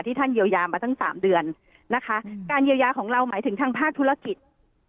ท่านเยียวยามาตั้งสามเดือนนะคะการเยียวยาของเราหมายถึงทางภาคธุรกิจ